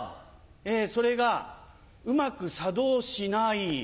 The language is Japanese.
ええそれがうまく作動しない。